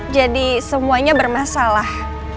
jadi semuanya bermasalah